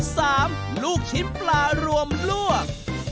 สามลูกชิ้นปลารวมร่วม